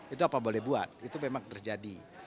itu apa boleh buat itu memang terjadi